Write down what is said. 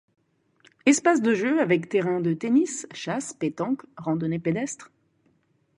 Espace de jeux avec terrain de tennis, chasse, pétanque, randonnée pédestre,